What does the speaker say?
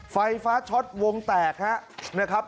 ไฟฟ้าช็อตวงแตกนะครับ